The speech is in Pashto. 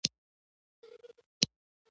زه د دې ګلانو سادګۍ ته فکر وړی یم